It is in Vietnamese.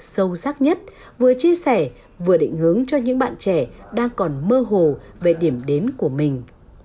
sâu sắc nhất vừa chia sẻ vừa định hướng cho những bạn trẻ đang còn mơ hồ về điểm đến của mình